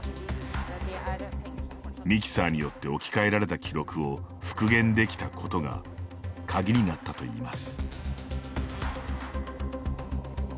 ミキサーによって置き換えられた記録を復元できたことが鍵になったといいます。